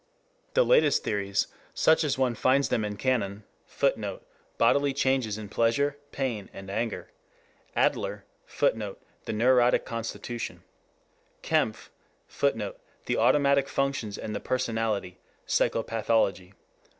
The latest theories, such as one finds them in Cannon, [Footnote: Bodily Changes in Pleasure, Pain and Anger.] Adler, [Footnote: The Neurotic Constitution.] Kempf, [Footnote: _The Autonomic Functions and the Personality; Psychopathology.